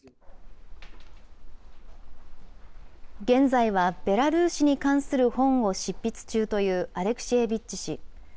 現在はベラルーシに関する本を執筆中というアレクシェービッチ氏。